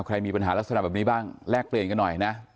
ใครมีปัญหาลักษณะแบบนี้บ้างแลกเปลี่ยนกันหน่อยนะ